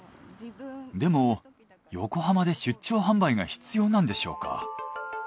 でも横浜で出張販売が必要なんでしょうか？